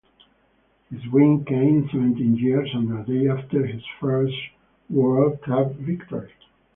His win came seventeen years and a day after his first World Cup victory.